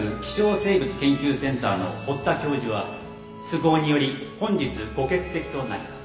生物研究センターの堀田教授は都合により本日ご欠席となります。